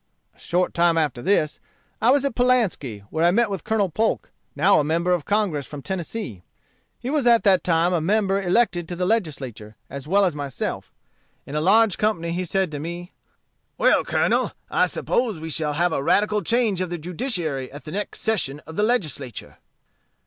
"A short time after this, I was at Pulaski, where I met with Colonel Polk, now a member of Congress from Tennessee. He was at that time a member elected to the Legislature, as well as myself. In a large company he said to me, 'Well, Colonel, I suppose we shall have a radical change of the judiciary at the next session of the Legislature.'